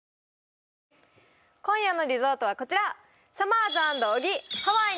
今夜のリゾートはこちら！